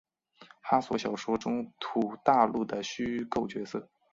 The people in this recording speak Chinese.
哈索小说中土大陆的虚构角色。